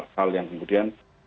hal yang kemudian